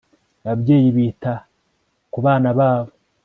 ababyeyi bita ku banababo